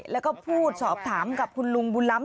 แล้วก็พูดสอบถามกับคุณลุงบุญล้ำ